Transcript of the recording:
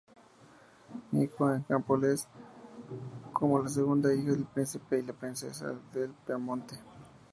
Nació en Nápoles como la segunda hija del príncipe y la princesa del Piamonte.